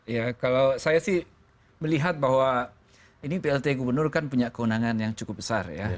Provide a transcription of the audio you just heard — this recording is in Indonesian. ya kalau saya sih melihat bahwa ini plt gubernur kan punya kewenangan yang cukup besar ya